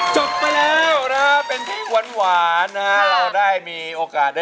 เยี่ยมลับกลับเหมือนกัน